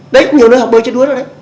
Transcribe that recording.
đấy nhiều nơi học bơi chết đuối rồi đấy